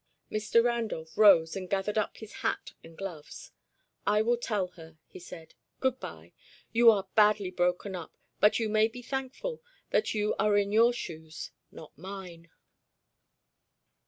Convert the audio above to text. Mr. Randolph rose and gathered up his hat and gloves. "I will tell her," he said. "Good bye. You are badly broken up, but you may be thankful that you are in your shoes, not mine."